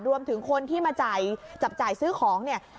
รวมถึงคนที่มาจับจ่ายซื้อของเนี่ย